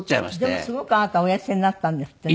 でもすごくあなたお痩せになったんですってね。